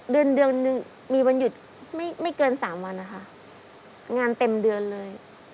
เดือนเดือนหนึ่งมีวันหยุดไม่ไม่เกิน๓วันนะคะงานเต็มเดือนเลย